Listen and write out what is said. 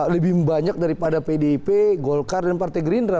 lebih banyak daripada pdip golkar dan partai gerindra